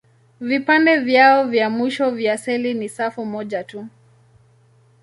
Vipande vyao vya mwisho vya seli ni safu moja tu.